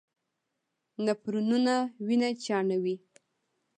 نفرونونه وینه چاڼوي.